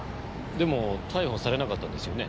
でも逮捕されなかったんですよね。